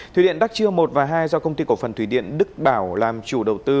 thủy điện đắc chưa một và hai do công ty cổ phần thủy điện đức bảo làm chủ đầu tư